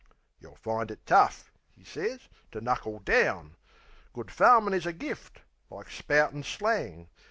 "Yeh'll find it tough," 'e sez, "to knuckle down. Good farmin' is a gift like spoutin' slang.